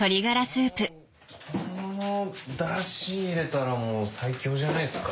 このダシ入れたらもう最強じゃないっすか？